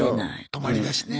泊まりだしね。